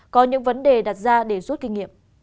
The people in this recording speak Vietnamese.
có những vấn đề đặt ra để rút kinh nghiệm